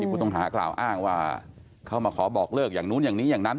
ผู้ต้องหากล่าวอ้างว่าเข้ามาขอบอกเลิกอย่างนู้นอย่างนี้อย่างนั้น